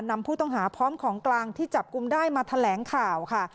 นำผู้ต้องหาพร้อมของกลางที่จับกลุ่มได้มาแถลงข่าวค่ะ